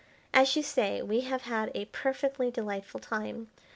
As you say, we have had a perfectly delightful time.